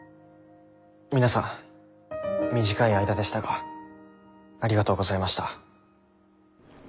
皆さん短い間でしたがありがとうございました。